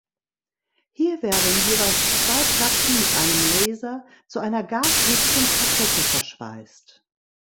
Hier werden jeweils zwei Platten mit einem Laser zu einer gasdichten Kassette verschweißt.